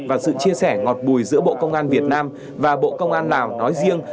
và sự chia sẻ ngọt bùi giữa bộ công an việt nam và bộ công an lào nói riêng